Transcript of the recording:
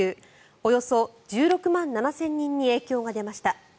およそ１６万７０００人に影響が出ました。